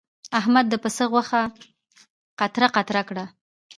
احمد د پسه غوښه قطره قطره کړه.